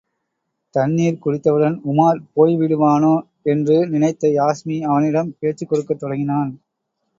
தண்ணீர் குடித்தவுடன் உமார் போய் விடுவானோ என்று நினைத்த யாஸ்மி அவனிடம் பேச்சுக்கொடுக்கத் தொடங்கினான்.